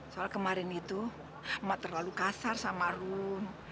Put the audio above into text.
soal kemarin itu emak terlalu kasar sama rum